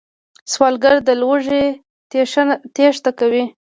سوالګر له لوږې تېښته کوي